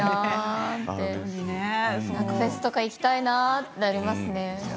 フェスとか行きたいなってなりますね。